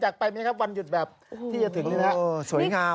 อยากไปไหมครับวันหยุดแบบที่จะถึงนี้นะ